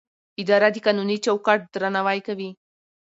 اداره د قانوني چوکاټ درناوی کوي.